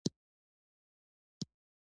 سنگ مرمر د افغانانو د تفریح یوه وسیله ده.